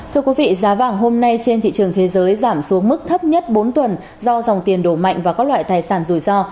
thưa quý vị giá vàng hôm nay trên thị trường thế giới giảm xuống mức thấp nhất bốn tuần do dòng tiền đổ mạnh và các loại tài sản rủi ro